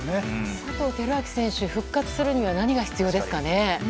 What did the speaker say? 佐藤輝明選手、復活するには何が必要ですかね。